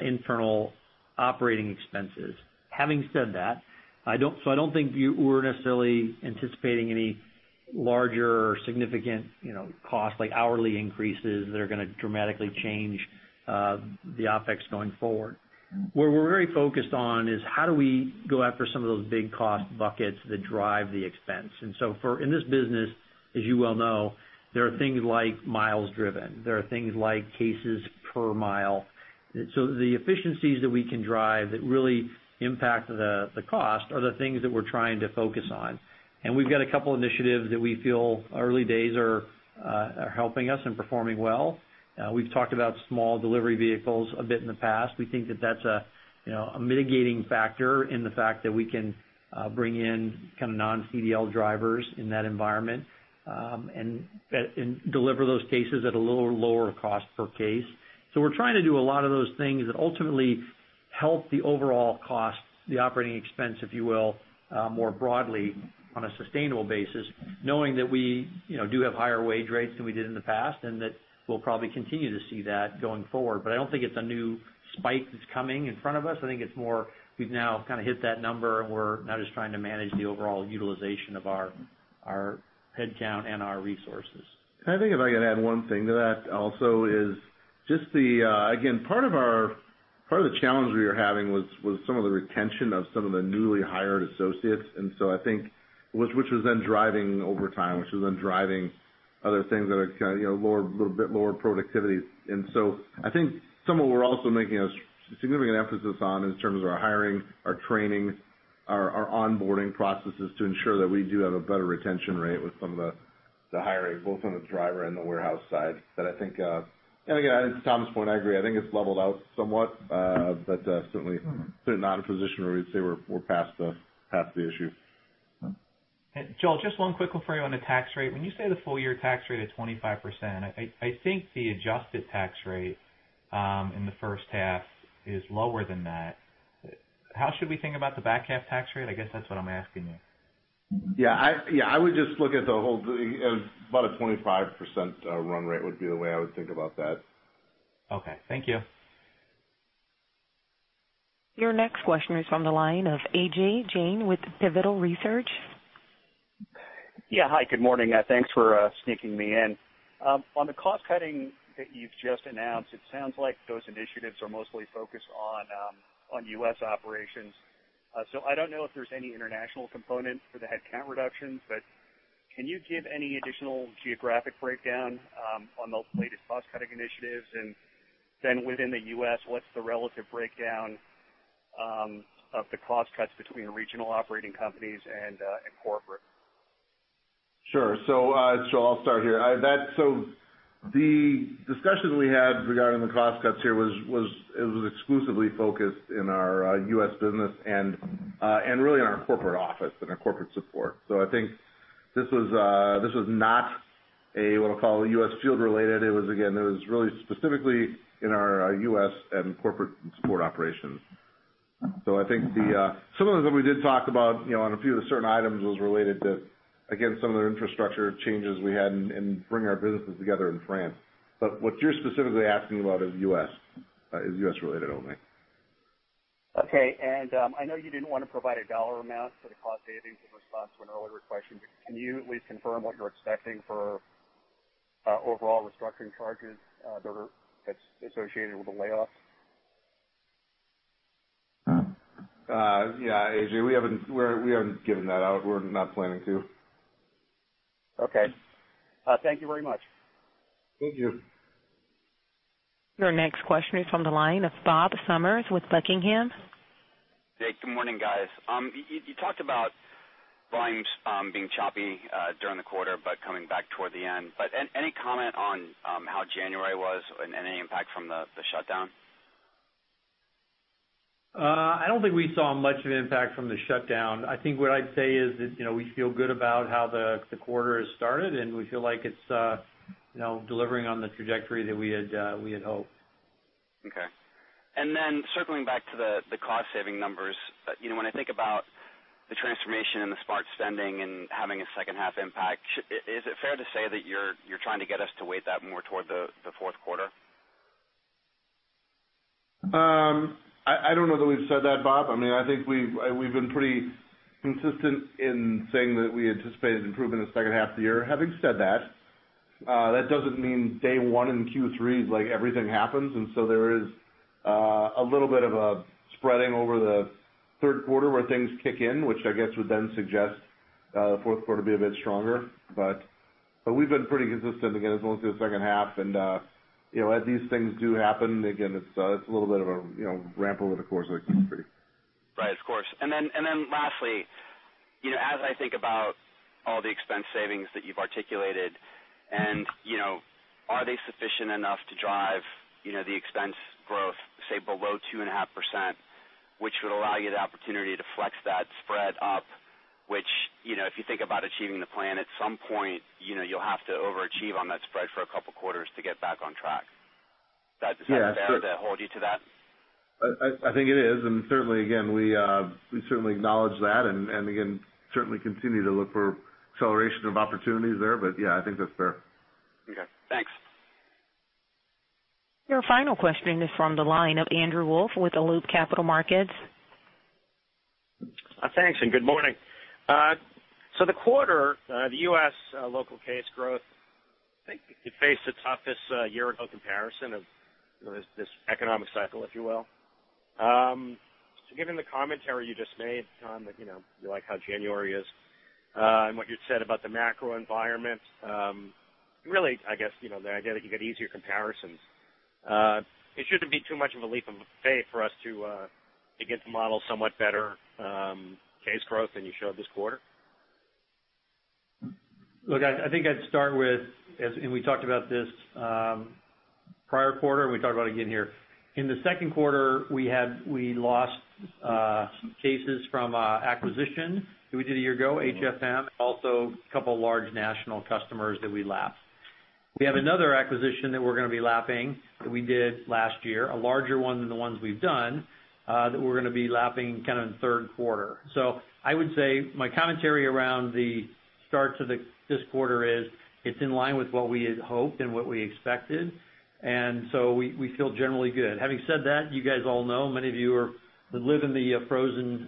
internal operating expenses. Having said that, I don't think we're necessarily anticipating any larger or significant cost, like hourly increases that are going to dramatically change the OpEx going forward. Where we're very focused on is how do we go after some of those big cost buckets that drive the expense. In this business, as you well know, there are things like miles driven. There are things like cases per mile. The efficiencies that we can drive that really impact the cost are the things that we're trying to focus on. We've got a couple initiatives that we feel early days are helping us and performing well. We've talked about small delivery vehicles a bit in the past. We think that that's a mitigating factor in the fact that we can bring in non-CDL drivers in that environment, and deliver those cases at a little lower cost per case. We're trying to do a lot of those things that ultimately help the overall costs, the operating expense, if you will, more broadly on a sustainable basis, knowing that we do have higher wage rates than we did in the past, and that we'll probably continue to see that going forward. I don't think it's a new spike that's coming in front of us. I think it's more we've now hit that number, and we're now just trying to manage the overall utilization of our headcount and our resources. I think if I could add one thing to that also is just the, again, part of the challenge we were having was some of the retention of some of the newly hired associates, which was then driving overtime, which was then driving other things that are a little bit lower productivity. I think some of what we're also making a significant emphasis on in terms of our hiring, our training, our onboarding processes to ensure that we do have a better retention rate with some of the hiring, both on the driver and the warehouse side. Again, to Tom's point, I agree. I think it's leveled out somewhat, but certainly not in a position where we'd say we're past the issue. Joel, just one quick one for you on the tax rate. When you say the full-year tax rate is 25%, I think the adjusted tax rate in the first half is lower than that. How should we think about the back half tax rate? I guess that's what I'm asking you. Yeah, I would just look at about a 25% run rate would be the way I would think about that. Okay. Thank you. Your next question is from the line of Ajay Jain with Pivotal Research. Yeah, hi. Good morning. Thanks for sneaking me in. On the cost cutting that you've just announced, it sounds like those initiatives are mostly focused on U.S. operations. I don't know if there's any international component for the headcount reductions, but can you give any additional geographic breakdown on those latest cost-cutting initiatives? Within the U.S., what's the relative breakdown of the cost cuts between regional operating companies and corporate? Sure. I'll start here. The discussion we had regarding the cost cuts here was exclusively focused in our U.S. business, and really in our corporate office and our corporate support. I think this was not a, we'll call it U.S. field-related. Again, it was really specifically in our U.S. and corporate support operations. I think some of the things that we did talk about on a few of the certain items was related to, again, some of the infrastructure changes we had in bringing our businesses together in France. What you're specifically asking about is U.S.-related only. Okay. I know you didn't want to provide a dollar amount for the cost savings in response to an earlier question, but can you at least confirm what you're expecting for overall restructuring charges that's associated with the layoffs? Yeah, Ajay, we haven't given that out. We're not planning to. Okay. Thank you very much. Thank you. Your next question is from the line of Bob Summers with Buckingham. Hey, good morning, guys. You talked about volumes being choppy during the quarter, coming back toward the end. Any comment on how January was, and any impact from the shutdown? I don't think we saw much of an impact from the shutdown. I think what I'd say is that we feel good about how the quarter has started, and we feel like it's delivering on the trajectory that we had hoped. Okay. Circling back to the cost saving numbers. When I think about the transformation and the smart spending and having a second half impact, is it fair to say that you're trying to get us to weight that more toward the fourth quarter? I don't know that we've said that, Bob. I think we've been pretty consistent in saying that we anticipated improvement in the second half of the year. Having said that doesn't mean day one in Q3 is like everything happens. There is a little bit of a spreading over the third quarter where things kick in, which I guess would then suggest the fourth quarter be a bit stronger. We've been pretty consistent, again, as long as the second half and as these things do happen, again, it's a little bit of a ramp over the course of Q3. Right, of course. Lastly, as I think about all the expense savings that you've articulated and are they sufficient enough to drive the expense growth, say below 2.5%, which would allow you the opportunity to flex that spread up, which, if you think about achieving the plan at some point, you'll have to overachieve on that spread for a couple of quarters to get back on track. Yeah. Is that fair to hold you to that? I think it is, and certainly, again, we certainly acknowledge that and again, certainly continue to look for acceleration of opportunities there, but yeah, I think that's fair. Okay, thanks. Your final question is from the line of Andrew Wolf with Loop Capital Markets. Thanks. Good morning. The quarter, the U.S. local case growth, I think it faced the toughest year-ago comparison of this economic cycle, if you will. Given the commentary you just made, Tom, that you like how January is, and what you'd said about the macro environment, really, I guess, the idea that you get easier comparisons. It shouldn't be too much of a leap of faith for us to get the model somewhat better case growth than you showed this quarter? I think I'd start with. We talked about this prior quarter, and we talk about it again here. In the second quarter, we lost cases from acquisition that we did a year ago, HFM, also a couple of large national customers that we lapped. We have another acquisition that we're going to be lapping that we did last year, a larger one than the ones we've done, that we're going to be lapping kind of in the third quarter. I would say my commentary around the starts of this quarter is it's in line with what we had hoped and what we expected. We feel generally good. Having said that, you guys all know, many of you live in the frozen,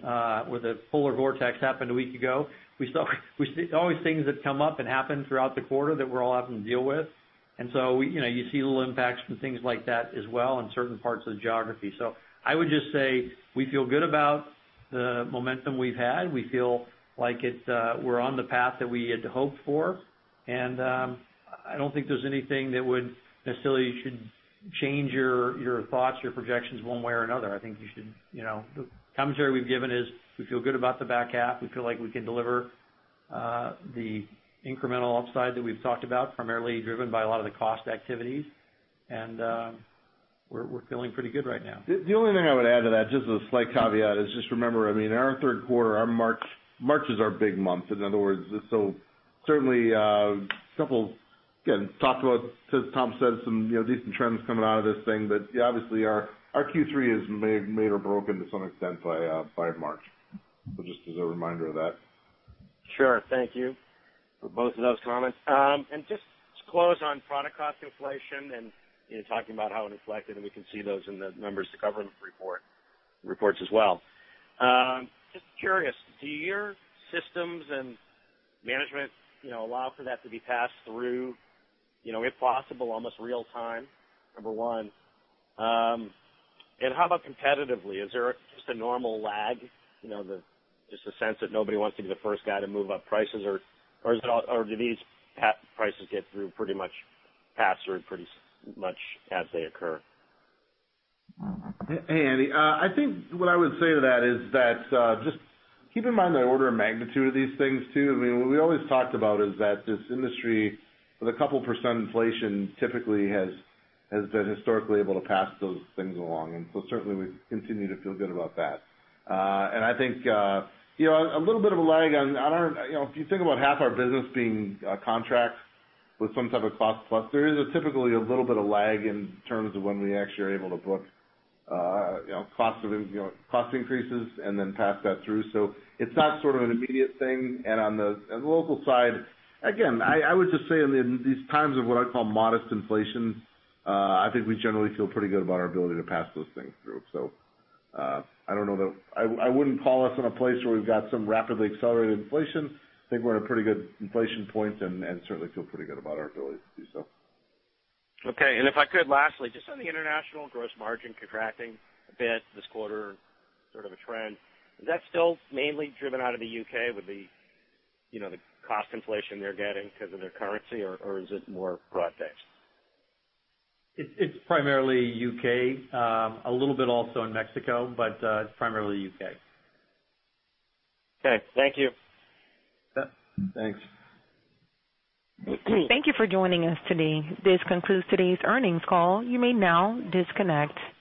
where the polar vortex happened a week ago. There's always things that come up and happen throughout the quarter that we're all having to deal with. You see little impacts from things like that as well in certain parts of the geography. I would just say we feel good about the momentum we've had. We feel like we're on the path that we had hoped for, and I don't think there's anything that would necessarily should change your thoughts, your projections one way or another. I think the commentary we've given is we feel good about the back half. We feel like we can deliver the incremental upside that we've talked about, primarily driven by a lot of the cost activities. We're feeling pretty good right now. The only thing I would add to that, just a slight caveat, is just remember, in our third quarter, March is our big month, in other words. Certainly, a couple, again, Tom said some decent trends coming out of this thing. Obviously our Q3 is made or broken to some extent by March. Just as a reminder of that. Sure. Thank you for both of those comments. Just to close on product cost inflation and talking about how it reflected, and we can see those in the numbers the government reports as well. Just curious, do your systems and management allow for that to be passed through, if possible, almost real time, number one? How about competitively? Is there just a normal lag, just a sense that nobody wants to be the first guy to move up prices or do these prices get through pretty much passed through pretty much as they occur? Hey, Andy. I think what I would say to that is that, just keep in mind the order of magnitude of these things too. What we always talked about is that this industry with a couple percent inflation typically has been historically able to pass those things along. Certainly we continue to feel good about that. I think a little bit of a lag on our-- If you think about half our business being contracts with some type of cost plus, there is typically a little bit of lag in terms of when we actually are able to book cost increases and then pass that through. It's not sort of an immediate thing. On the local side, again, I would just say in these times of what I call modest inflation, I think we generally feel pretty good about our ability to pass those things through. I wouldn't call us in a place where we've got some rapidly accelerated inflation. I think we're in a pretty good inflation point and certainly feel pretty good about our ability to do so. Okay. If I could, lastly, just on the international gross margin contracting a bit this quarter, sort of a trend. Is that still mainly driven out of the U.K. with the cost inflation they're getting because of their currency, or is it more broad-based? It's primarily U.K., a little bit also in Mexico, but it's primarily U.K. Okay. Thank you. Thanks. Thank you for joining us today. This concludes today's earnings call. You may now disconnect.